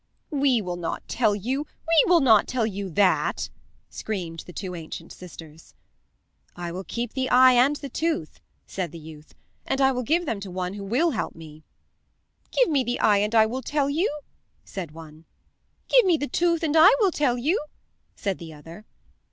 "We will not tell you, we will not tell you that," screamed the two ancient sisters. "I will keep the eye and the tooth," said the youth, "and I will give them to one who will help me." "Give me the eye and I will tell you," said one. "Give me the tooth and I will tell you," said the other.